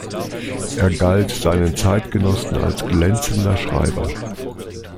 Er galt seinen Zeitgenossen als glänzender Schreiber.